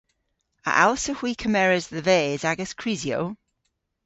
A allsewgh hwi kemeres dhe-ves agas krysyow?